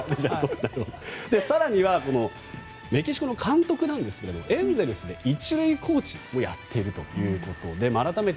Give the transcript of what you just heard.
更にはメキシコの監督なんですがエンゼルスで１塁コーチをやっているということで改めて、